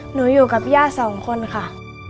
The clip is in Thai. อยู่กับย่าสองคนค่ะ